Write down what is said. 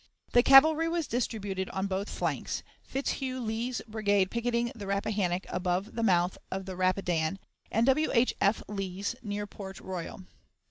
The cavalry was distributed on both flanks Fitzhugh Lee's brigade picketing the Rappahannock above the mouth of the Rapidan and W. H. F. Lee's near Port Royal.